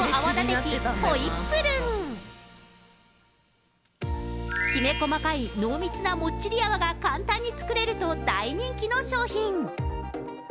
きめ細かい濃密なもっちり泡が簡単に作れると大人気の商品。